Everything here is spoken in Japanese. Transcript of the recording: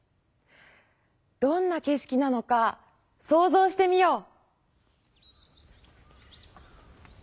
どんなけ色なのかそうぞうしてみよう！